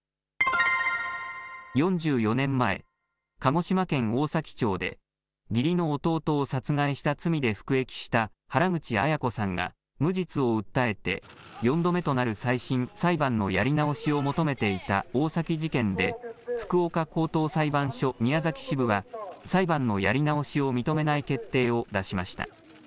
４４年前、鹿児島県大崎町で義理の弟を殺害した罪で服役した原口アヤ子さんが無実を訴えて４度目となる再審・裁判のやり直しを求めていた大崎事件で福岡高等裁判所宮崎支部は裁判のやり直しを認めない決定を出しました。